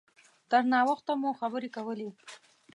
تر ناوخته مو خبرې کولې.